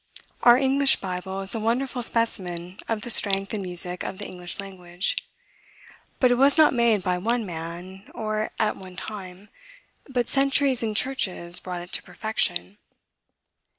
Our English Bible is a wonderful specimen of the strength and music of the English language. But it was not made by one man, or at one time; but centuries and churches brought it to perfection.